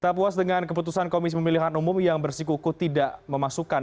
tak puas dengan keputusan komisi pemilihan umum yang bersikuku tidak memasukkan